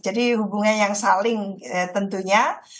jadi hubungan yang saling tentunya